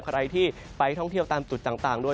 ใครที่ไปท่องเที่ยวตามจุดต่างด้วย